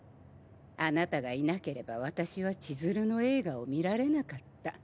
あなたがいなければ私はちづるの映画を見られなかった。